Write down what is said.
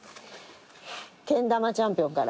けん玉チャンピオンから。